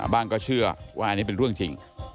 ก็เชื่อว่าอันนี้เป็นเรื่องจริง